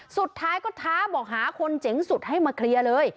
สุดท้ายก็ท้าบอกหาคนเจ๋งสุดให้มาเคลียร์เลย